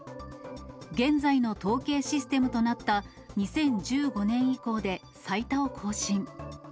現在の統計システムとなった２０１５年以降で最多を更新。